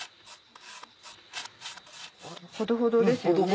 ほどほどですよね。